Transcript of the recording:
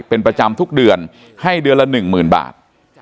เป็นประจำทุกเดือนให้เดือนละหนึ่งหมื่นบาท